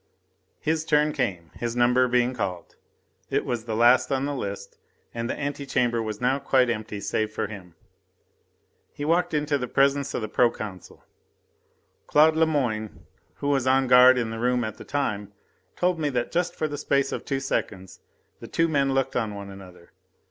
His turn came his number being called it was the last on the list, and the ante chamber was now quite empty save for him. He walked into the presence of the pro consul. Claude Lemoine, who was on guard in the room at the time, told me that just for the space of two seconds the two men looked at one another.